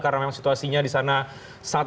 karena memang situasinya disana sangat